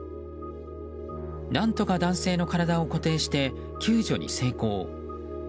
何とか男性の体を固定して救助に成功。